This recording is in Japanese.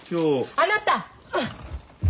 あなた！